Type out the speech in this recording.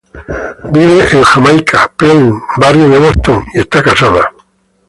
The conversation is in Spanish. Vive en Jamaica Plain, barrio de Boston, y está casada.